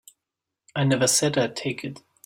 I never said I'd take it.